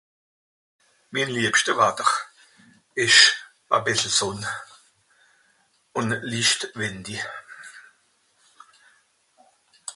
min liebschte Watter esch e bìssel Sònn ùn licht wìndi